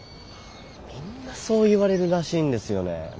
みんなそう言われるらしいんですよね。